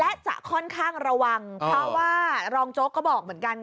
และจะค่อนข้างระวังเพราะว่ารองโจ๊กก็บอกเหมือนกัน